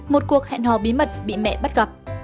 một cuộc hẹn hò bí mật bị mẹ bắt gặp